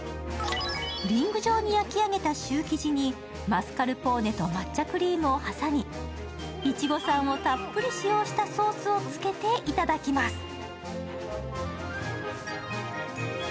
リング状に焼き上げたシュー生地にマスカルポーネと抹茶クリームを挟み、いちごさんをたっぷり使用したソースをつけて頂きます。